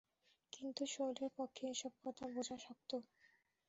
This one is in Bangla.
কিন্তু শৈলর পক্ষে এ-সব কথা বোঝা শক্ত।